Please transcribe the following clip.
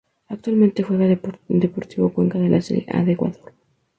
Actualmente juega en Deportivo Cuenca de la Serie A de Ecuador.